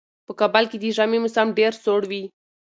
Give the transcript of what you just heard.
په کابل کې د ژمي موسم ډېر سوړ وي.